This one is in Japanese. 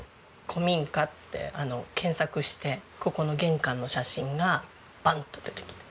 「古民家」って検索してここの玄関の写真がバンッと出てきて。